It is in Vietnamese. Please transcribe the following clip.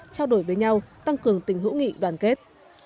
trao đổi với nhau tăng cường tình hữu nghị đoàn kết